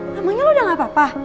namanya lo udah gak apa apa